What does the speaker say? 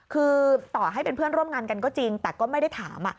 คือต่อให้เป็นเพื่อนร่วมงานกันก็จริงแต่ก็ไม่ได้ถาม